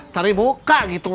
cari muka gitu loh